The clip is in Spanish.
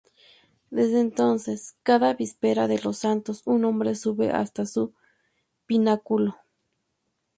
Desde entonces cada víspera de los Santos un hombre sube hasta su pináculo.